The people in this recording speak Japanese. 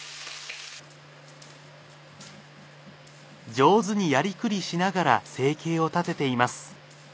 上手にやりくりしながら生計を立てています。